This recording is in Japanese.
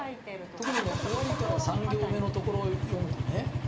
特にね終わりから３行目のところを読むとね